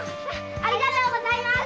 ありがとうございます！